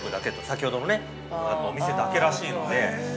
先ほどのお店だけらしいので。